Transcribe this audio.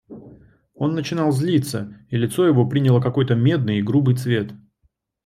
Он начинал злиться, и лицо его приняло какой-то медный и грубый цвет.